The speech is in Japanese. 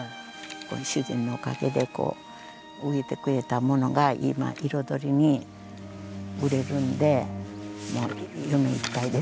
主人のおかげでこう植えてくれたものが今彩りに売れるんで夢いっぱいです。